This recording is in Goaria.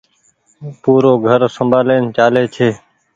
پورو گهر سمبآلين چآلي ڇي۔